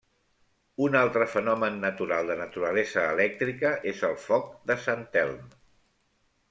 Un altre fenomen natural de naturalesa elèctrica és el Foc de Sant Elm.